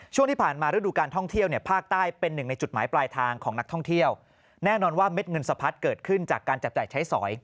จากการจับจ่ายใช้สอย